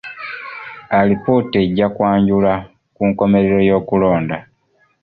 Alipoota ejja kwanjulwa ku nkomerero y'okulonda.